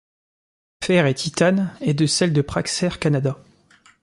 Fer et Titane et de celle de Praxair Canada.